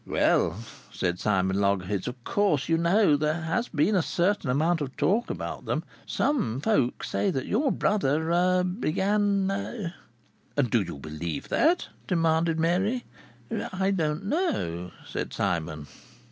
"Well," said Simon Loggerheads, "of course, you know, there's been a certain amount of talk about them. Some folks say that your brother er began " "And do you believe that?" demanded Mary. "I don't know," said Simon.